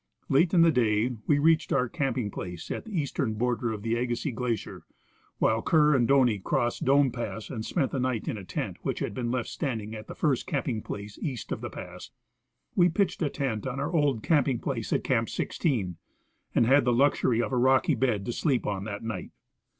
Late in the day we reached our camping place at the eastern border of the Agassiz glacier, while Kerr and Doney crossed Dome pass and spent the night in a tent that had been left standing at the first camping east of the pass. We pitched a tent on our old camping place at Camp 16, and had the luxury of a rocky bed to sleep on that night.